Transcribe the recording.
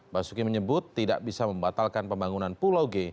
basuki menyebut tidak bisa membatalkan pembangunan pulau g